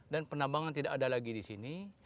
dan penambangan tidak ada lagi di sini